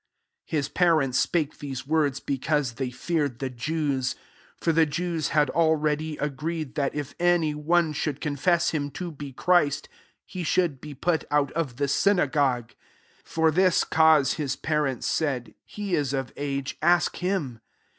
'^ 22 His parents spake these words, because they feared the Jews: for the Jews had already agreed that, if any one should confess him to be Christ; he should be put out of the syna gogue. 23 For this cause his pa rents said, He is of age ; ask him."